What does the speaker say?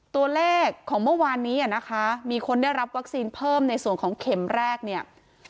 ตัวเลขของเมื่อวานนี้นะคะมีคนได้รับวัคซีนเพิ่มในส่วนของเข็มแรกเนี่ย